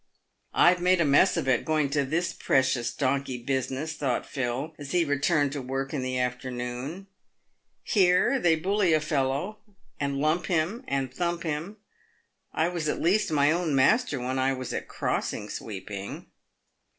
" I've made a mess of it, going to this precious donkey business," thought Phil, as he returned to work in the afternoon. " Here they bully a fellow, and lump him, and thump him. I was at least my own master when I was at crossing sweeping."